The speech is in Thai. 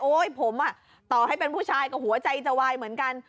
ผมต่อให้เป็นผู้ชายก็หัวใจจะวายเหมือนกัน